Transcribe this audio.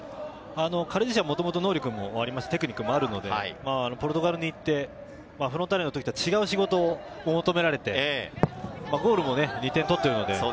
彼自身も能力もテクニックもあるので、ポルトガルに行ってフロンターレの時とは違う仕事を求められて、ゴールも２点取っているので。